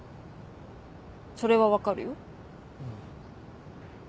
それは分かるよ。